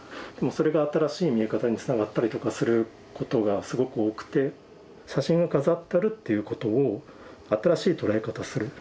それが新しい見え方につながったりとかすることがすごく多くて写真が飾ってあるっていうことを新しい捉え方をする。